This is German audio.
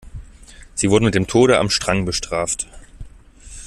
Sie wurden mit dem Tode am Strang bestraft.